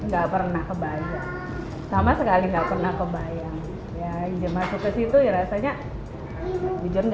gak pernah kebayang sama sekali gak pernah kebayang ya ijeng masuk ke situ ya rasanya jujur gak